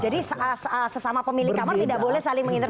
jadi sesama pemilik kamar tidak boleh saling mengintervensi